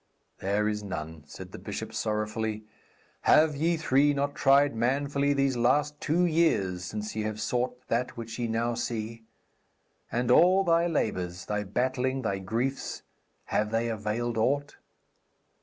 'There is none,' said the bishop sorrowfully. 'Have ye three not tried manfully these last two years since ye have sought that which ye now see? And all thy labours, thy battling, thy griefs, have they availed aught?